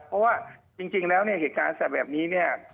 เพราะว่าจริงแล้วเหตุการณ์แสดงแบบนี้